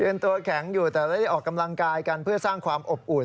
ตัวแข็งอยู่แต่ได้ออกกำลังกายกันเพื่อสร้างความอบอุ่น